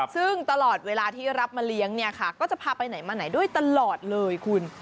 ซึ่งตลอดเวลาที่รับมาเลี้ยงเนี่ยค่ะก็จะพาไปไหนมาไหนด้วยตลอดเลยคุณ